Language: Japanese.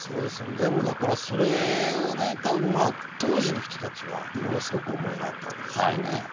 それを多分当時の人たちはものすごく思いがあったわけですよね。